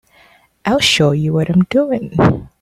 I'll show you what I'm doing.